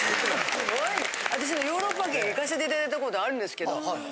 すごい私ねヨーロッパ軒行かせていただいたことあるんですけど。